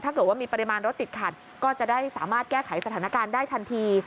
ถ้าเกิดว่ามีปริมาณรถติดขัดก็จะได้สามารถแก้ไขสถานการณ์ได้ทันที